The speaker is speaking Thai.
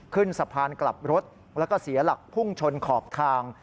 ขึ้นสะพานกลับรถแล้วก็เสียหลักพุ่งชนขอบทาง